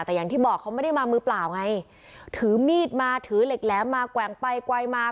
แต่อย่างที่บอกเขาไม่ได้มามือเปล่าไงถือมีดมาถือเหล็กแหลมมาแกว่งไปแกวมา